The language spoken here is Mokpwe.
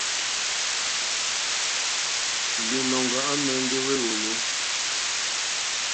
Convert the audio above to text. Līnɔ̄ŋgɛ̄ à mɛ̀ndɛ́ wé wòló.